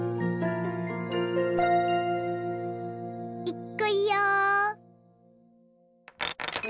いくよ。